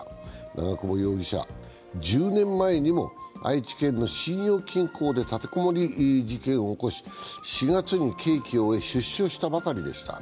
長久保容疑者は１０年前にも愛知県の信用金庫で立て籠もり事件を起こし、４月に刑期を終え、出所したばかりでした。